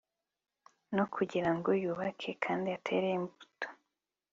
no kugira ngo yubake kandi atere imbuto